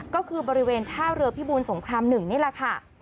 ก็คือบริเวณท่าเรือพิบูรสงคราม๑นี่แหละค่ะ